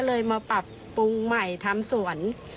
ก็เลยต้องสริงรอบปรุงใหม่ทำสวน